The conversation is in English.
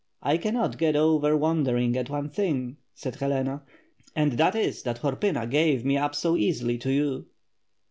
"I cannot get over wondering at one thing," said Helena, "and that is that Horpyna gave me up so easily to you."